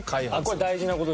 これ大事な事ですよね。